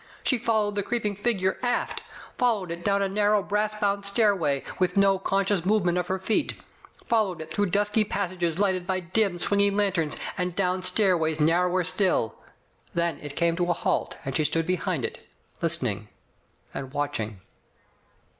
She followed the creeping figure aft. Followed it down a narrow brass bound stairway, with no conscious movement of her feet. Followed it through dusky passages, lighted by dim, swing Digitized by Google CLO, GRAVES. 24^ ing lanterns, and down stairways narrower stilL Then it came to a halt and she stood behind it, listening and watching.